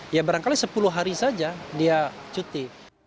ya barangkali sepuluh hari saja dia cuti